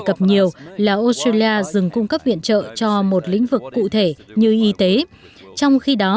cập nhiều là australia dừng cung cấp viện trợ cho một lĩnh vực cụ thể như y tế trong khi đó